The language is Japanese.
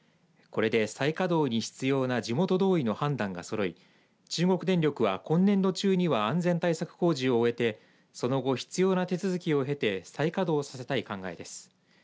これで再稼働に必要な地元同意の判断がそろい中国電力は今年度中には安全対策工事を終えてその後、必要な手続きを経て再稼働させたい考えです。